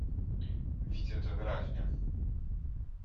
"Widzę to wyraźnie."